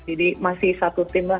jadi masih dikonsumsiin gitu ya